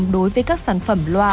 đối với các sản phẩm loa